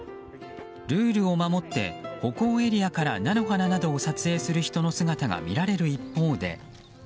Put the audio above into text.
ルールを守って歩行エリアから菜の花などを撮影する人の姿が見られる一方で。